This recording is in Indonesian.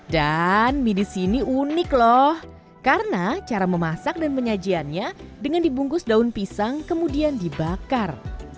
dan mie di sini unik lho karena cara memasak dan penyajiannya dengan dibungkus daun pisang kemudian dibakar